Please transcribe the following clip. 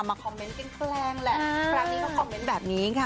คอมเมนต์แคลงแหละครั้งนี้เขาคอมเมนต์แบบนี้ค่ะ